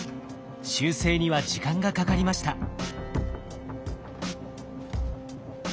修正には時間がかかりました。